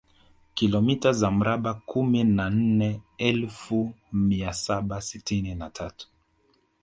Kilomita za mraba kumi na nne elfu na mia saba sitini na tatu